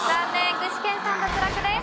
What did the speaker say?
具志堅さん脱落です。